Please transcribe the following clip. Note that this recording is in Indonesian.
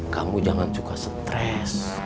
kamu jangan juga stres